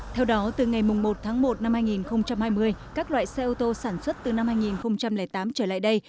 theo đó từ ngày một tháng một năm hai nghìn hai mươi các loại xe ô tô sản xuất từ năm hai nghìn tám trở lại đây